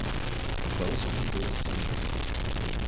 Velso kultūros centras.